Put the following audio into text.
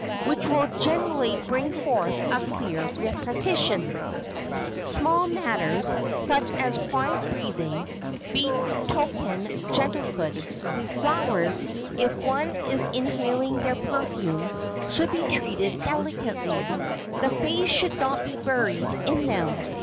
which will generally bring forth a clear repetition. Small matters, such as quiet breathing, betoken gentlehood. Flowers, if one is inhaling their perfume, should be treated delicately,—the face should not be buried in them.